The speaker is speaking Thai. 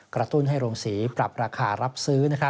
กระตุ้นให้โรงศรีปรับราคารับซื้อ